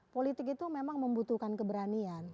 politik itu memang membutuhkan keberanian